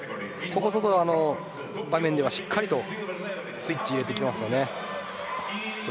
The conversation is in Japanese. ここぞという場面ではしっかりとスイッチを入れてきます。